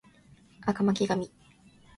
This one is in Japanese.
赤巻紙